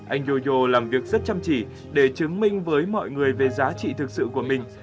anh yoyo làm việc rất chăm chỉ để chứng minh với mọi người về giá trị thực sự của mình